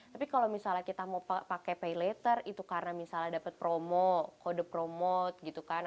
tapi kalau misalnya kita mau pakai pay later itu karena misalnya dapat promo kode promote gitu kan